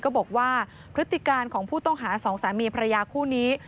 บอกว่าพฤติการของผู้ต้องหาสองสามีภรรยาคู่นี้